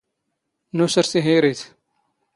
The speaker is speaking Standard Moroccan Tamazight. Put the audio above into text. ⵏⵓⵙⵔ ⵜⵉⵀⵉⵔⵉⵜ.